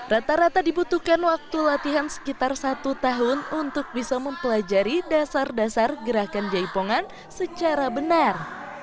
rata rata dibutuhkan waktu latihan sekitar satu tahun untuk bisa mempelajari dasar dasar gerakan jaipongan secara benar